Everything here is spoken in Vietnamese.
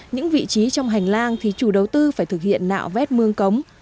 những vị trí trong hành lang thì chủ đầu tư phải thực hiện nạo vét mương cống